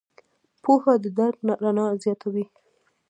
پوهه د درک رڼا زیاتوي.